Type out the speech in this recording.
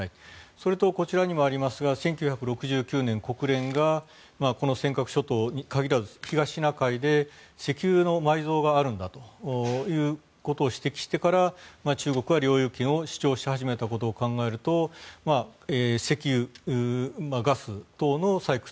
それと、こちらにもありますが１９６９年、国連が尖閣諸島に限らず東シナ海で石油の埋蔵があるんだということを指摘してから中国は領有権を主張し始めたことを考えると石油、ガス等の採掘。